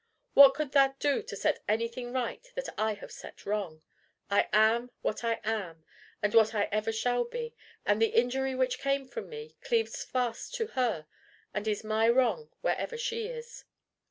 What could that do to set anything right that I have set wrong? I am what I am, and what I ever shall be, and the injury which came from me, cleaves fast to her, and is my wrong wherever she is."